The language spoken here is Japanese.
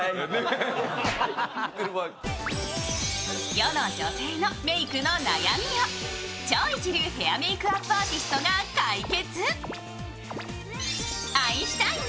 世の女性のメイクの悩みを超一流ヘアメークアーティストが解決。